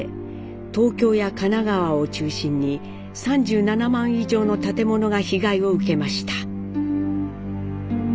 東京や神奈川を中心に３７万以上の建物が被害を受けました。